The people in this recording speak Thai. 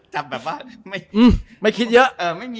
จับแบบว่าไม่คิดเยอะ